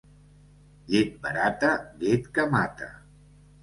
Llet barata, llet que mata.